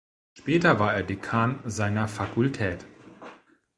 Später war er Dekan seiner Fakultät.